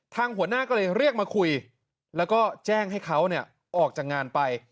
หัวหน้าก็เลยเรียกมาคุยแล้วก็แจ้งให้เขาออกจากงานไป